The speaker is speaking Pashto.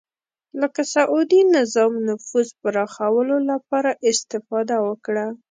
لکه سعودي نظام نفوذ پراخولو لپاره استفاده وکړه